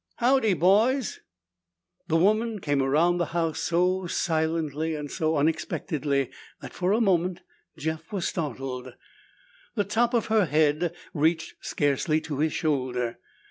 "Howdy, boys." The woman came around the house so silently and so unexpectedly that for a moment Jeff was startled. The top of her head reached scarcely to his shoulder.